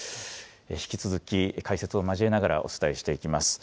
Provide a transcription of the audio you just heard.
引き続き、解説を交えながらお伝えしていきます。